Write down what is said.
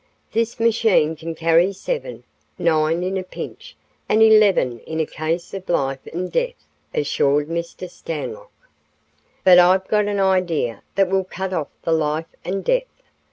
"This machine can carry seven, nine in a pinch, and eleven in a case of life and death," assured Mr. Stanlock. "But I've got an idea that will cut off the life and death.